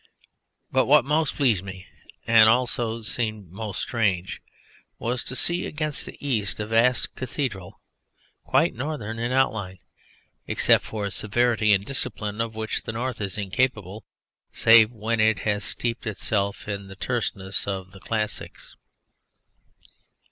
But what most pleased me and also seemed most strange was to see against the East a vast cathedral quite Northern in outline, except for a severity and discipline of which the North is incapable save when it has steeped itself in the terseness of the classics.